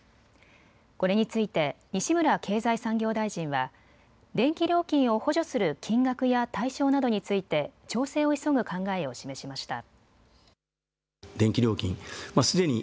これについて西村経済産業大臣は電気料金を補助する金額や対象などについて調整を急ぐ考えを示しました。